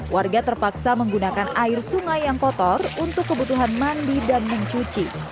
warga terpaksa menggunakan air sungai yang kotor untuk kebutuhan mandi dan mencuci